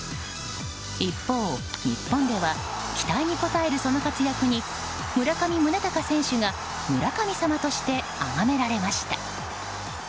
一方、日本では期待に応えるその活躍に村上宗隆選手が、村神様としてあがめられました。